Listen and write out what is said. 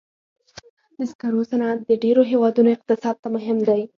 د سکرو صنعت د ډېرو هېوادونو اقتصاد ته مهم دی.